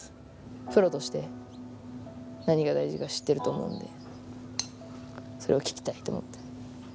プロとして何が大事か知ってると思うんで、それを聞きたいと思って。